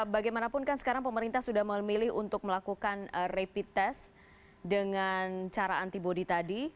bagaimanapun kan sekarang pemerintah sudah memilih untuk melakukan rapid test dengan cara antibody tadi